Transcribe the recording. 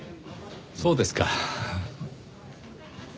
そうですか。